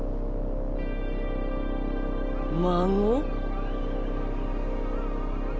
孫？